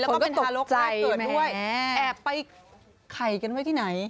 แล้วก็เป็นทารกบ้านเกิดด้วยแอบไปไข่กันไว้ที่ไหน